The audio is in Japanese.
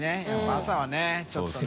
朝はねちょっとね。